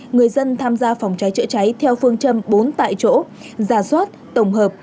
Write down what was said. người dân tham gia phòng cháy chữa cháy theo phương châm bốn tại chỗ giả soát tổng hợp